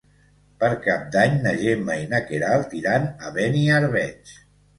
Per Cap d'Any na Gemma i na Queralt iran a Beniarbeig.